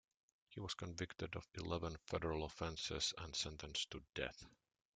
He was convicted of eleven federal offenses and sentenced to death.